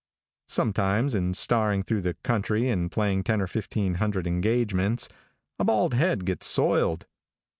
Sometimes in starring through the country and playing ten or fifteen hundred engagements, a bald head gets soiled.